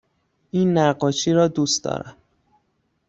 این نقاشی را دوست دارم.